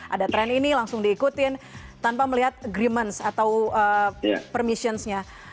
ada tren ini langsung diikutin tanpa melihat agreements atau permissionsnya